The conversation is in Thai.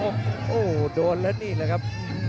โอ้โหโอ้โหโดนแล้วนี่นะครับ